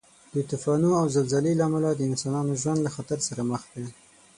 د طوفانو او زلزلې له امله د انسانانو ژوند له خطر سره مخ دی.